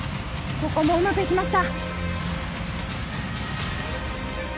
ここもうまくいきました。